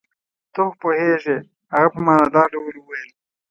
ته خو پوهېږې. هغه په معنی دار ډول وویل.